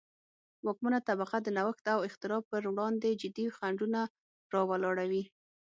واکمنه طبقه د نوښت او اختراع پروړاندې جدي خنډونه را ولاړوي.